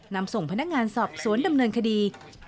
นำส่งพนักงานสอบสวนดำเนินคดี